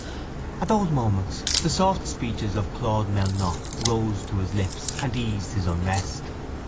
At those moments the soft speeches of Claude Melnotte rose to his lips and eased his unrest.